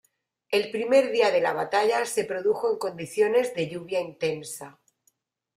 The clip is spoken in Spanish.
El primer día de la batalla se produjo en condiciones de lluvia intensa.